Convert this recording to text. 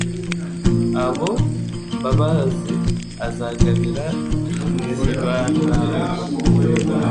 Abo Mbabazi azagabira i Kibantango